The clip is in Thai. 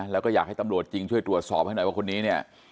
แล้วก็อยากให้ตำรวจจริงช่วยตรวจสอบให้หน่อยว่าคนนี้เนี่ย